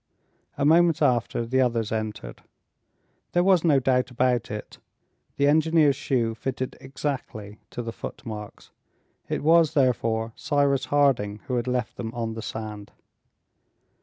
A moment after the others entered. There was no doubt about it. The engineer's shoe fitted exactly to the footmarks. It was therefore Cyrus Harding who had left them on the sand.